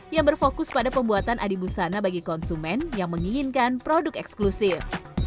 yang berfokus pada pembuatan adibusana bagi konsumen yang menginginkan produk eksklusif